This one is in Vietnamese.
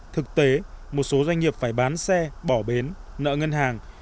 thực tế một số doanh nghiệp phải bán xe bỏ bến nợ ngân hàng